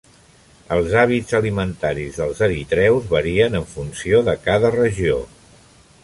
Els hàbits alimentaris dels eritreus varien en funció de cada regió.